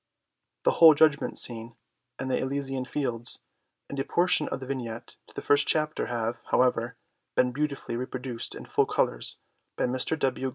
The whole Judgment Scene, and the Elysian Fields, and a portion of the Vignette to the first Chapter have, however, been beautifully reproduced in full colours by Mr. W.